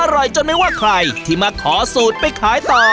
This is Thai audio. อร่อยจนไม่ว่าใครที่มาขอสูตรไปขายต่อ